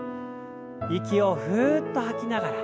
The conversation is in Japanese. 息をふっと吐きながら。